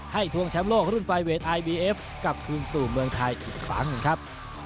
ให้ทวงช้ำโลกรุ่นไฟเวทไอบีเอฟกลับคลึงสู่เมืองไทยอีกฝั่งครับ